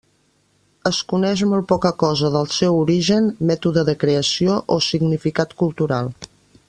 Es coneix molt poca cosa del seu origen, mètode de creació o significat cultural.